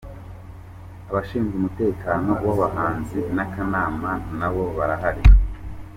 Abashinzwe umutekano w’abahanzi n’akanama nabo barahari.